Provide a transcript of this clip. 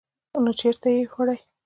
_نو چېرته يې وړې؟